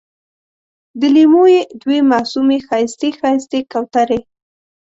د لېمو یې دوې معصومې ښایستې، ښایستې کوترې